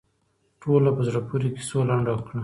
ټوله په زړه پورې کیسو لنډه کړه.